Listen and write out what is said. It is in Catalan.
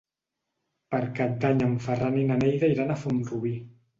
Per Cap d'Any en Ferran i na Neida iran a Font-rubí.